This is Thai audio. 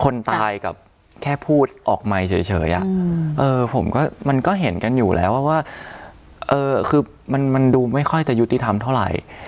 คนตายแค่พูดออกไมเฉยผมก็เห็นกันอยู่แล้วว่ามันดูไม่ค่อยจะยุติธรรมเท่าไร